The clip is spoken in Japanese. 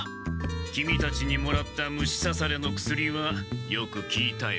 キミたちにもらった虫さされの薬はよくきいたよ。